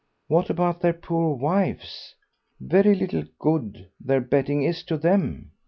"What about their poor wives? Very little good their betting is to them.